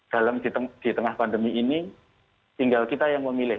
dalam di tengah pandemi ini tinggal kita yang memilih